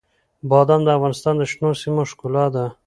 بادام د افغانستان د شنو سیمو ښکلا ده.